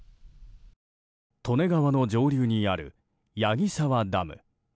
利根川の上流にある矢木沢ダム。